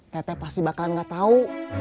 tete pasti bakalan gak tahu